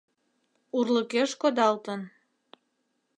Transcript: Урлыкеш кодалтын.